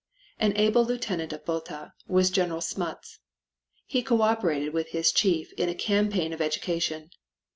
An able lieutenant to Botha was General Smuts. He co operated with his chief in a campaign of education.